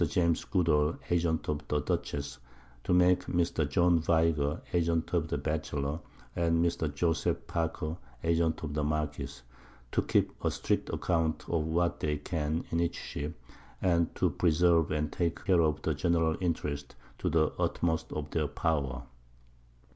_ James Goodall Agent of the Dutchess, to make Mr. John Viger Agent of the Batchelor, and Mr. Joseph Parker Agent of the Marquiss, _to keep a strict Account of what they can in each Ship, and to preserve and take Care of the general Interest, to the utmost of their Power.